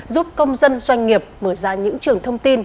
giúp công dân doanh nghiệp mở ra những trường thông tin